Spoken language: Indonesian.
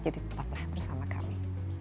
jadi tetaplah bersama kami